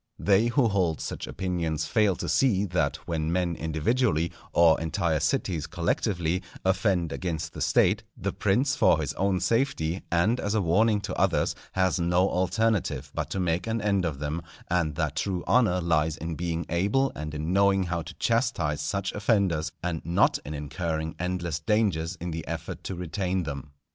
They who hold such opinions fail to see that when men individually, or entire cities collectively, offend against the State, the prince for his own safety, and as a warning to others, has no alternative but to make an end of them; and that true honour lies in being able and in knowing how to chastise such offenders, and not in incurring endless dangers in the effort to retain them.